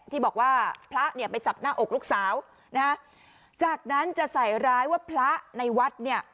ที่บอกว่าพระเนี่ยไปจับหน้าอกลูกสาวนะฮะจากนั้นจะใส่ร้ายว่าพระในวัดเนี่ย